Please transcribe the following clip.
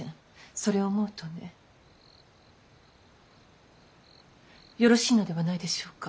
それを思うとねよろしいのではないでしょうか。